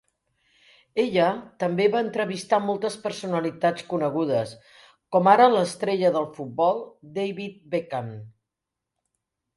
Ella també va entrevistar moltes personalitats conegudes, com ara l'estrella del futbol David Beckham.